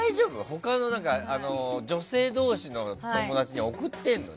他の女性同士の友達には送ってるの？